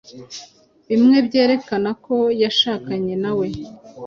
bimwe byerekana ko yashakanye nawe